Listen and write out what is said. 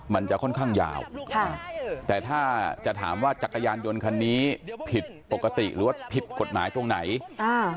มันจะค่อนข้างยาวค่ะแต่ถ้าจะถามว่าจักรยานยนต์คันนี้ผิดปกติหรือว่าผิดกฎหมายตรงไหนอ่า